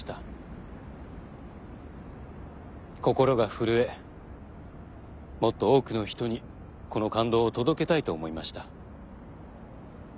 心が震えもっと多くの人にこの感動を届けたいと思いました。